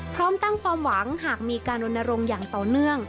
พร้อมตั้งความหวังหากมีการรณรงค์อย่างต่อเนื่อง